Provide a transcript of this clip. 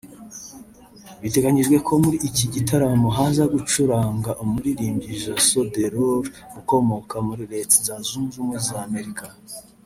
Biteganyijwe ko muri iki gitaramo haza gucuranga umuririmbyi Jason Derulo ukomoka muri Retza Zunze ubumwe za Amerika